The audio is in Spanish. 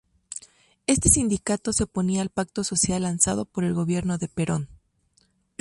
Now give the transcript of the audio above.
Este sindicato se oponía al Pacto Social lanzado por el gobierno de Perón.